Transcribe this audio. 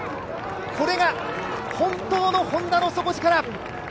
これが本当のＨｏｎｄａの底力。